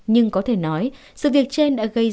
nhưng có thể nói sự việc trên đã gây ra một lý do